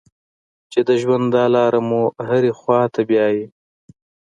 چې د ژوند دا لاره مو هرې خوا ته بیايي.